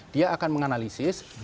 dia akan menganalisis dampak langsung